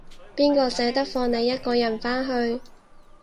邊個捨得放你一個人返去